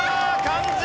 漢字